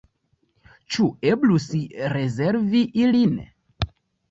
Ĉu eblus rezervi ilin?